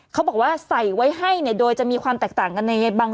เขาบอกว่าใส่ไว้ให้โดยจะมีความแตกต่างกันในบางเรื่อง